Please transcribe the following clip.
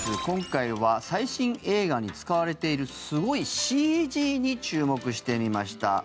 今回は最新映画に使われているすごいＣＧに注目してみました。